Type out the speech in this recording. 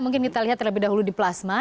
mungkin kita lihat terlebih dahulu di plasma